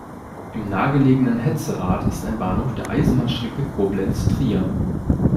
Im nahegelegenen Hetzerath ist ein Bahnhof der Eisenbahnstrecke Koblenz–Trier.